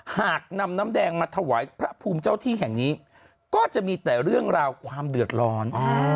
หากนำน้ำแดงมาถวายพระภูมิเจ้าที่แห่งนี้ก็จะมีแต่เรื่องราวความเดือดร้อน